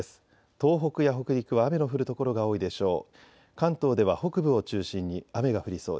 東北や北陸は雨の降る所が多いでしょう。